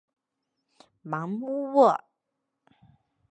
芒乌沃。